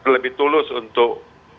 lebih tulus untuk